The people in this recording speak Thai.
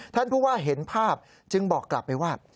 ท่านผู้ว่าเห็นภาพจึงบอกกลับไปว่า